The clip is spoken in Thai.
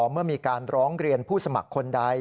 เมื่อมีการร้องเรียนผู้สมัครคนใด